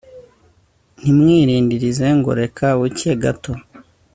ntimwilindilize ngo reka buke gato